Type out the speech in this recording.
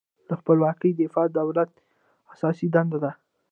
له خپلواکۍ دفاع د دولت اساسي دنده ده.